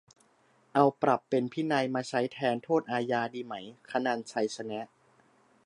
เอา "ปรับเป็นพินัย" มาใช้แทน "โทษอาญา" ดีไหม - คนันท์ ชัยชนะ